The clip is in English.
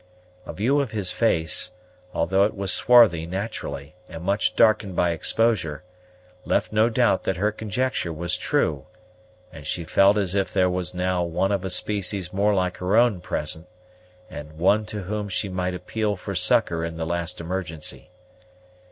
A view of his face, although it was swarthy naturally, and much darkened by exposure, left no doubt that her conjecture was true; and she felt as if there was now one of a species more like her own present, and one to whom she might appeal for succor in the last emergency.